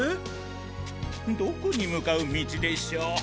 どこに向かう道でしょう。